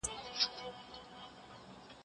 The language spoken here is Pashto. په سینو کي یې ځای ونیوی اورونو